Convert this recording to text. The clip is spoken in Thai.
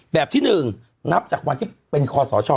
แบบที่๑นับจากวันที่เป็นคอสช